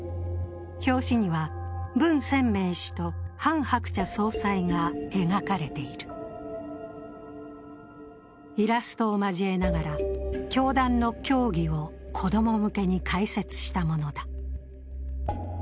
表紙には、文鮮明氏とハン・ハクチャ総裁が描かれているイラストを交えながら教団の教義を子供向けに解説したものだ。